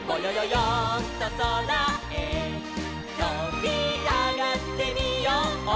よんとそらへとびあがってみよう」